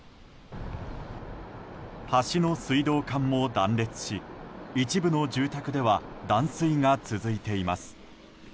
橋の水道管も断裂し一部の住宅では断水が続いています。